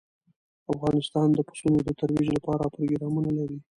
افغانستان د پسونو د ترویج لپاره پروګرامونه لري.